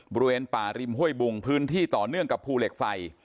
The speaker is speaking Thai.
บริเวณป่าริมห้วยบุงพื้นที่ต่อเนื่องกับภูเหล็กไฟ